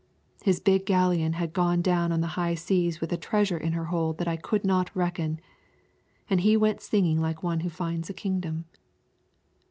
His big galleon had gone down on the high seas with a treasure in her hold that I could not reckon, and he went singing like one who finds a kingdom.